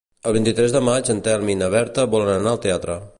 El vint-i-tres de maig en Telm i na Berta volen anar al teatre.